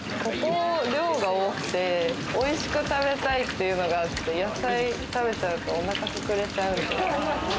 量が多くて、美味しく食べたいっていうのがあって、野菜食べちゃうとお腹ふくれちゃうから。